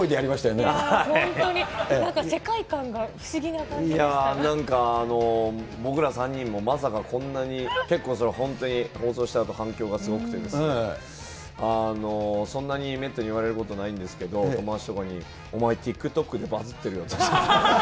なんか世界観が不思なんかあの、僕ら３人もまさかこんなに結構、本当に放送したあと反響がすごくて、そんなにめったに言われることないんですけど、友達とかに、お前ＴｉｋＴｏｋでバズってるよって。